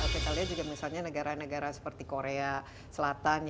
kalian juga misalnya negara negara seperti korea selatan